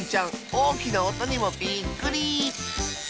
おおきなおとにもびっくり！